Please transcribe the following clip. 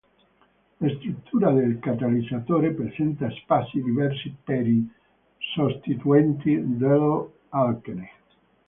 La struttura del catalizzatore presenta spazi diversi per i sostituenti dell'alchene.